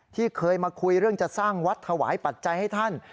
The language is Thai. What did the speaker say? ที่เคยมาคุยเรื่องจะสร้างวัดถวายปัจจัยให้ท่าน